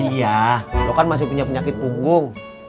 iya lo kan masih punya penyakit punggung